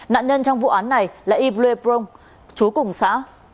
nạn nhân trong vụ án này là ible prong chú cùng xã